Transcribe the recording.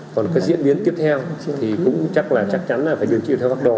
còn cái diễn biến tiếp theo thì cũng chắc là chắc chắn là phải điều trị theo pháp đồ